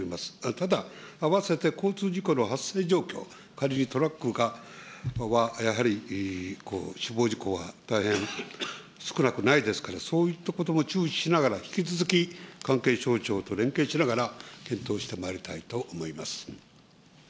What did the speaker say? ただ、あわせて交通事故の発生状況、仮にトラックはやはり死亡事故は大変少なくないですから、そういったことも注視しながら、引き続き関係省庁と連携しながら検討してまいりたいと思います。